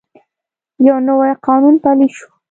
یو نوی قانون پلی شو.